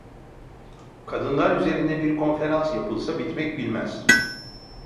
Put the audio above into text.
Kadınlar üzerine bir konferans yapılsa bitmek bilmez.